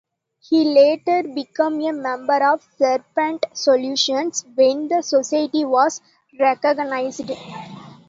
He later became a member of Serpent Solutions when the Society was reorganized.